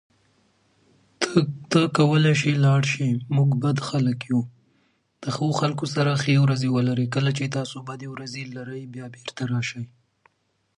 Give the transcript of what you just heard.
اداري خپلواکي د سیاسي فشارونو پر وړاندې د محافظت لامل ده